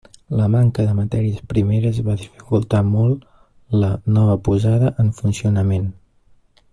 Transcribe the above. La manca de matèries primeres va dificultar molt la nova posada en funcionament.